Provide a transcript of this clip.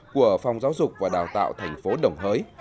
của phòng giáo dục và đào tạo thành phố đồng hới